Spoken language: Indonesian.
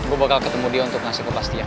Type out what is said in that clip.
gue bakal ketemu dia untuk ngasih kepastian